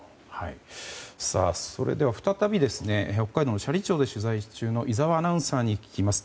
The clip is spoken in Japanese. それでは再び北海道斜里町で取材中の井澤アナウンサーに聞きます。